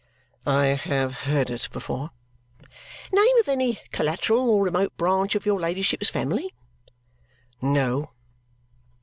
"I have heard it before." "Name of any collateral or remote branch of your ladyship's family?" "No."